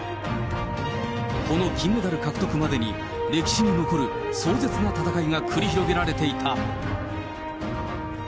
この金メダル獲得までに歴史に残る壮絶な戦いが繰り広げられていた。